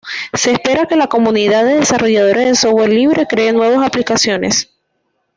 Se espera que la comunidad de desarrolladores de software libre cree nuevas aplicaciones.